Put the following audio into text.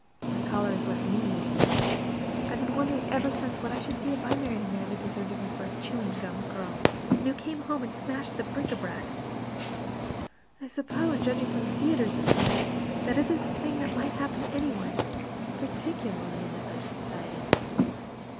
My caller has left me needing it. I have been wondering ever since what I should do if I married a man who deserted me for a chewing gum girl, and who came home and smashed the bric a brac. I suppose, judging from the theaters this winter, that it is a thing that might happen to any one, particularly in the best society.